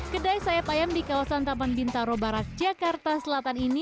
kedai sayap ayam di kawasan taman bintaro barat jakarta selatan ini